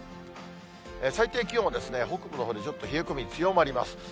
最低気温はですね、北部のほうで、ちょっと冷え込み、強まります。